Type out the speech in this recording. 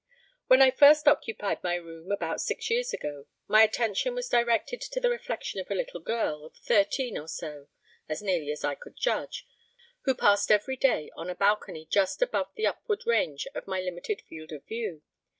When I first occupied my room, about six years ago, my attention was directed to the reflection of a little girl of thirteen or so (as nearly as I could judge), who passed every day on a balcony just above the upward range of my limited field of view.